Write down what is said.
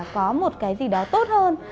có một cái gì đó tốt hơn